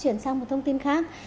chuyển sang một thông tin khác